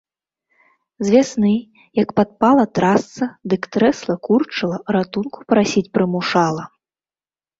З вясны як падпала трасца, дык трэсла, курчыла, ратунку прасіць прымушала.